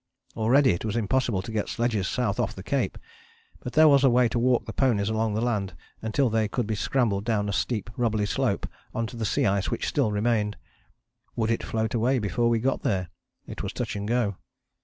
Already it was impossible to get sledges south off the Cape: but there was a way to walk the ponies along the land until they could be scrambled down a steep rubbly slope on to sea ice which still remained. Would it float away before we got there? It was touch and go.